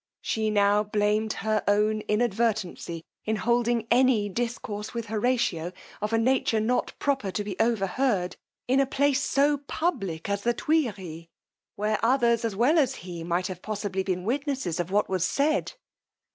She now blamed her own inadvertency in holding any discourse with Horatio, of a nature not proper to be over heard, in a place so public as the Tuilleries, where others, as well as he, might have possibly been witnesses of what was said.